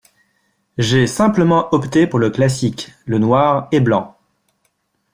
J’ai simplement opté pour le classique: le noir et blanc.